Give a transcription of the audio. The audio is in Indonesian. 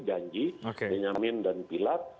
janji dan nyamin dan pilat